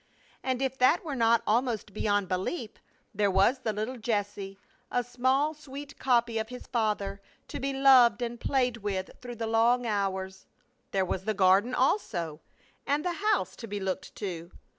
And if that were not almost beyond belief, there was the little Jesse, a small sweet copy of his father, to be loved and played with through the long hours. There was the garden also, and the house to be looked to.